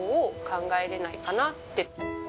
考えられないかなって。